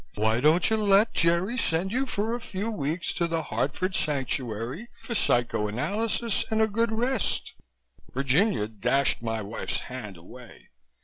Why don't you let Jerry send you for a few weeks to the Hartford Sanctuary for psychoanalysis and a good rest?" Virginia dashed my wife's hand away.